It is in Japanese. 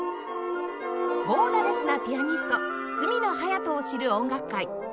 ボーダレスなピアニスト角野隼斗を知る音楽会